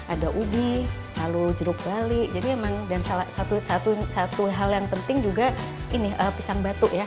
ada ubi lalu jeruk bali jadi emang dan satu hal yang penting juga ini pisang batu ya